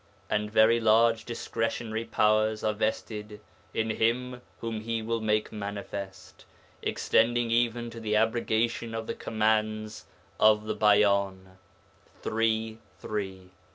And very large discretionary powers are vested in 'Him whom He will make manifest,' extending even to the abrogation of the commands of the Bayan (iii. 3).